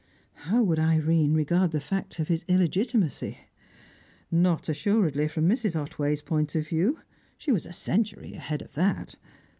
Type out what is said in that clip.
How would Irene regard the fact of his illegitimacy? Not, assuredly, from Mrs. Otway's point of view; she was a century ahead of that.